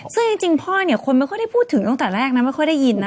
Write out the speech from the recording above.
ซึ่งจริงพ่อเนี่ยคนไม่ค่อยได้พูดถึงตั้งแต่แรกนะไม่ค่อยได้ยินนะ